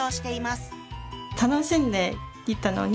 楽しんで行ったのに。